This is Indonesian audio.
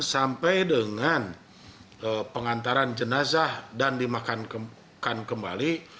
sampai dengan pengantaran jenazah dan dimakan kembali